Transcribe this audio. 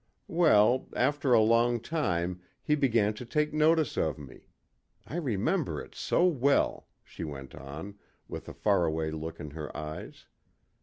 Well, after a long time he began to take notice of me. I remember it so well," she went on, with a far away look in her eyes.